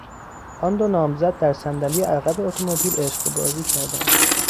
آن دو نامزد در صندلی عقب اتومبیل عشقبازی کردند.